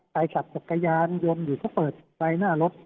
ใครขับถักยานยนต์อยู่ก็เปิดไฟหน้ารถ